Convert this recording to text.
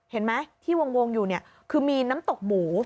เห็นไหมที่วงอยู่เนี่ยคือมีน้ำตกหมู